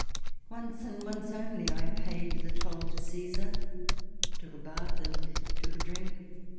Once and once only I paid the toll to Caesar ; took a bath and took a drink.